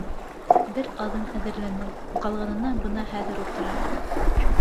— Бер аҙын әҙерләнем, ҡалғанына бына хәҙер ултырам.